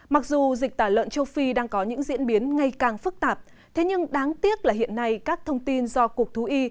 mặc dù dịch tả lợn châu phi đang có những diễn biến ngày càng phức tạp thế nhưng đáng tiếc là hiện nay các thông tin do cục thú y